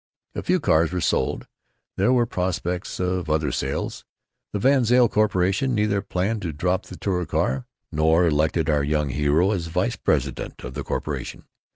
A few cars were sold; there were prospects of other sales; the VanZile Corporation neither planned to drop the Touricar, nor elected our young hero vice president of the corporation.